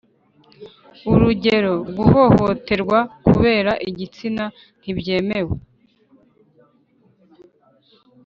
urugero: guhohoterwa kubera igitsina ntibyemewe.